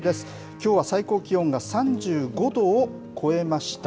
きょうは最高気温が３５度を超えました。